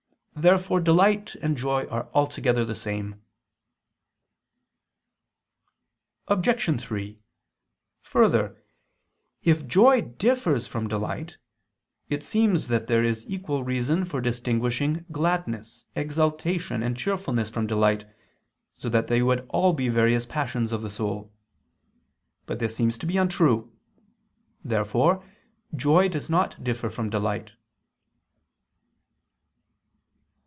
Therefore delight and joy are altogether the same. Obj. 3: Further, if joy differs from delight, it seems that there is equal reason for distinguishing gladness, exultation, and cheerfulness from delight, so that they would all be various passions of the soul. But this seems to be untrue. Therefore joy does not differ from delight.